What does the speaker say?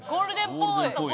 ゴールデンっぽい！